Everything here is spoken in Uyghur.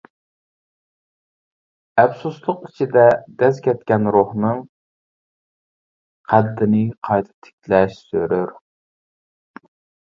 ئەپسۇسلۇق ئىچىدە دەز كەتكەن روھنىڭ قەددىنى قايتا تىكلەش زۆرۈر.